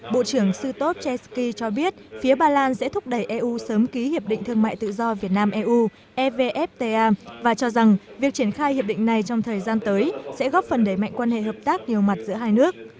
bộ trưởng sutov zensky cho biết phía ba lan sẽ thúc đẩy eu sớm ký hiệp định thương mại tự do việt nam eu evfta và cho rằng việc triển khai hiệp định này trong thời gian tới sẽ góp phần đẩy mạnh quan hệ hợp tác nhiều mặt giữa hai nước